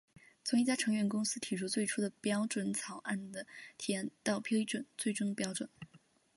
从一家成员公司提出最初的标准草案的提案到批准最终的标准。